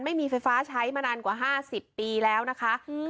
ไม่มีไฟฟ้าใช้มานานกว่า๕๐ปีแล้วนะคะ